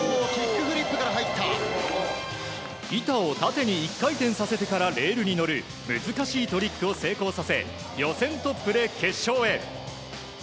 板を縦に１回転させてからレールに乗る難しいトリックを成功させ予選トップで決勝へ。